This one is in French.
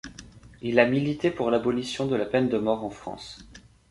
Il a milité pour l’abolition de la peine de mort en France.